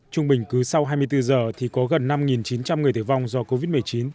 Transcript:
trung bình cứ sau hai mươi bốn giờ thì có gần năm chín trăm linh người tử vong do covid một mươi chín